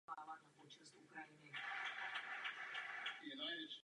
Za toto album skupina získala tři ceny Grammy.